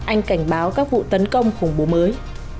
anh cảnh báo các vụ tấn công khủng bố mới